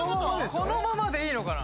このままでいいのかな